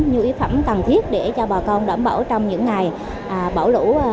nhu yếu phẩm cần thiết để cho bà con đảm bảo trong những ngày bão lũ